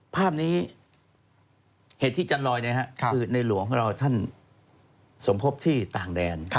ภาพนี้เหตุที่จันลอยคือในหลวงของเราท่านสมพบที่ต่างแดน